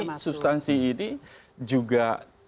tapi substansi ini juga